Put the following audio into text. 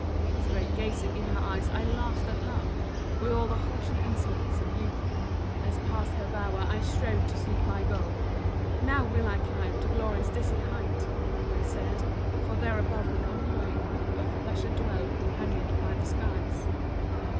Straight gazing in her eyes, I laughed at Love With all the haughty insolence of youth, As past her bower I strode to seek my goal. "Now will I climb to glory's dizzy height," I said, "for there above the common way Doth pleasure dwell companioned by the skies."